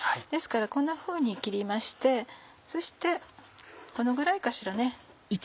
ですからこんなふうに切りましてそしてこのぐらいかしらね。